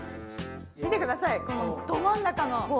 見てください、このど真ん中の棒。